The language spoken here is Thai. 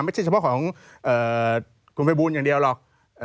ไม่ใช่เฉพาะของคุณภัยบูลอย่างเดียวหรอก